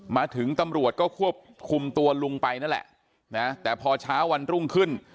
มาถึงตำรวจก็ควบคุมตัวลุงไปนั่นแหละนะแต่พอเช้าวันรุ่งขึ้น